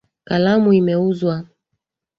Kalamu imeuzwa.